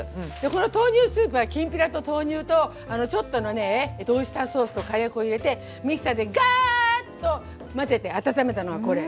この豆乳スープはきんぴらと豆乳とちょっとのねオイスターソースとカレー粉入れてミキサーでガーッと混ぜて温めたのがこれ。